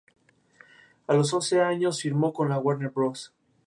A los once años firmó con la Warner Bros.